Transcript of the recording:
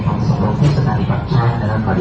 มองมาซะดีมองไป